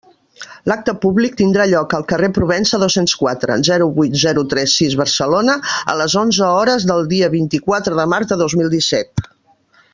L'acte públic tindrà lloc al carrer Provença, dos-cents quatre, zero vuit zero tres sis Barcelona, a les onze hores del dia vint-i-quatre de març de dos mil disset.